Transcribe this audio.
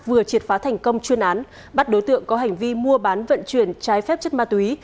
vừa triệt phá thành công chuyên án bắt đối tượng có hành vi mua bán vận chuyển trái phép chất ma túy